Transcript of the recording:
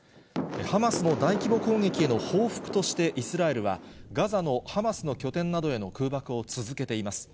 ハマスの大規模攻撃への報復としてイスラエルは、ガザのハマスの拠点などへの空爆を続けています。